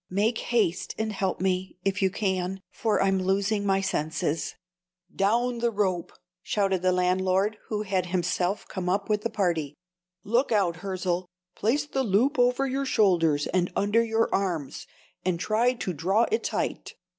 Make haste and help me, if you can, for I'm losing my senses." "Down with the rope!" shouted the landlord, who had himself come up with the party. "Look out, Hirzel! Place the loop over your shoulders and under your arms, and try to draw it tight.